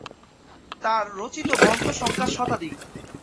তার রচিত গ্রন্থ সংখ্যা শতাধিক।